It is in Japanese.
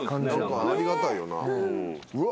ありがたいよな。